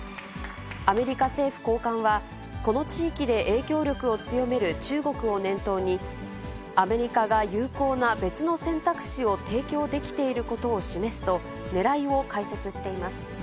アメリカ政府高官は、この地域で影響力を強める中国を念頭に、アメリカが有効な別の選択肢を提供できていることを示すと、ねらいを解説しています。